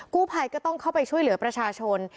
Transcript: กู้ภัยก็ต้องเข้าไปช่วยเหลือประชาชน